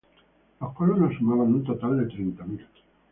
los colonos sumaban un total de treinta mil